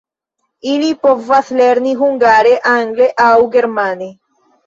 Ili povas lerni hungare, angle aŭ germane.